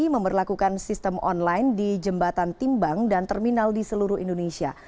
memperlakukan sistem online di jembatan timbang dan terminal di seluruh indonesia